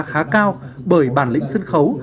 khá cao bởi bản lĩnh sân khấu